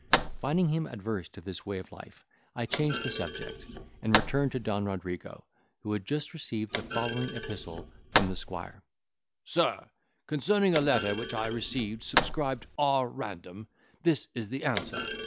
Finding him adverse to this way of life, I changed the subject, and returned to Don Rodrigo, who had just received the following epistle from the squire: "Sir,—Concerning a letter which I received, subscribed R. Random, this is the answer.